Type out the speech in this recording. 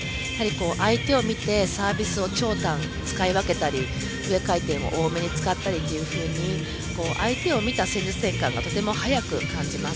相手を見て、サービスを長短、使い分けたり上回転を多めに使ったりというふうに相手を見た戦術転換がとても早く感じます。